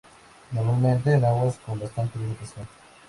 Normalmente en aguas con bastante vegetación.